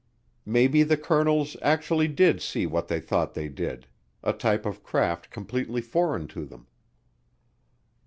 Maybe the colonels actually did see what they thought they did, a type of craft completely foreign to them.